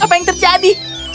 apa yang terjadi